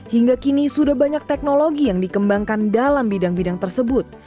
hingga kini sudah banyak teknologi yang dikembangkan dalam bidang bidang tersebut